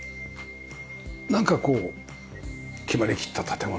なんかこう決まりきった建物は無理です。